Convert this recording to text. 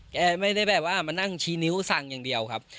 แกไม่ได้แบบว่ามานั่งชี้นิ้วสั่งอย่างเดียวครับ